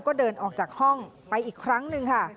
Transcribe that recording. ก็เดินออกจากห้องไปอีกครั้งหนึ่งค่ะ